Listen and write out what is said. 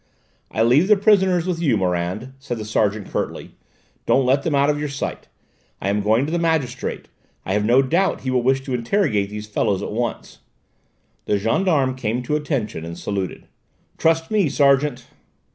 "I leave the prisoners with you, Morand," said the sergeant curtly; "don't let them out of your sight. I am going to the magistrate. I have no doubt he will wish to interrogate these fellows at once." The gendarme came to attention and saluted. "Trust me, sergeant!"